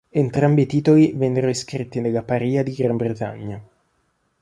Entrambi i titoli vennero iscritti nella Parìa di Gran Bretagna.